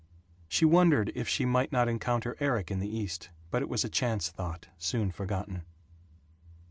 She wondered if she might not encounter Erik in the East but it was a chance thought, soon forgotten.